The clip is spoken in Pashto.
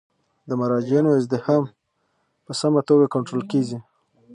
د مراجعینو ازدحام په سمه توګه کنټرول کیږي.